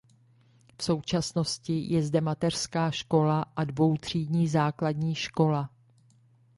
V současnosti je zde mateřská škola a dvoutřídní základní škola.